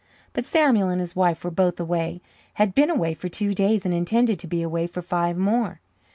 But Samuel and his wife were both away had been away for two days and intended to be away for five more.